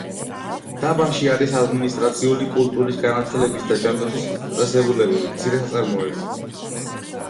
დაბაში არის ადმინისტრაციული, კულტურის, განათლების და ჯანდაცვის დაწესებულებები, მცირე საწარმოები.